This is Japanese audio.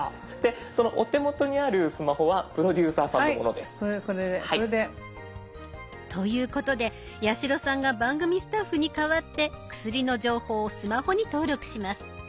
そのお手元にあるスマホはプロデューサーさんのものです。ということで八代さんが番組スタッフに代わって薬の情報をスマホに登録します。